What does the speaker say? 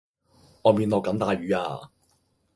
外面落緊大雨呀